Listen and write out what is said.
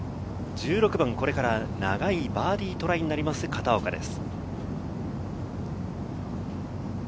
１６番、これが長いバーディートライになります片岡です。